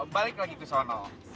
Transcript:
balik lagi kesana